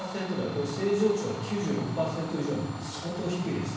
これ、正常値は９６％以上なので相当低いです。